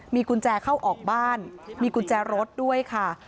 มีกุญแจเข้าออกบ้านมีกุญแจรถด้วยค่ะ